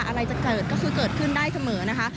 อะไรจะเกิดก็คือเกิดขึ้นได้เสมอนะคะ